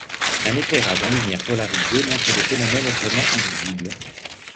Un éclairage en lumière polarisée montre des phénomènes autrement invisibles.